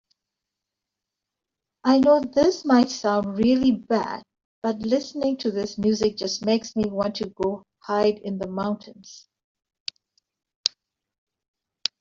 I know this might sound really bad, but listening to this music just makes me want to go hide in the mountains.